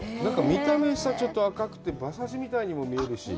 見た目ちょっと赤くて馬刺しみたいにも見えるし。